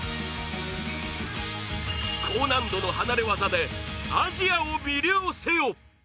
高難度の離れ技でアジアを魅了せよ。